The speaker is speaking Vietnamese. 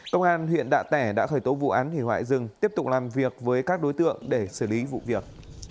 công an huyện đạ tẻ đã khởi tố vụ án hủy hoại rừng tiếp tục làm việc với các đối tượng để xử lý vụ việc